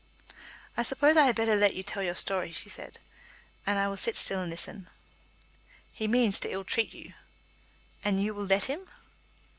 "I suppose I had better let you tell your story," she said, "and I will sit still and listen." "He means to ill treat you." "And you will let him?"